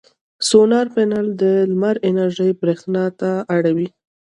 سولر پینل د لمر انرژي برېښنا ته اړوي.